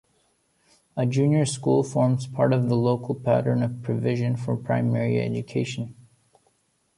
A junior school forms part of the local pattern of provision for primary education.